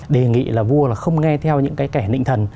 đề nghị là vua là không nghe theo những cái kẻ nịnh thần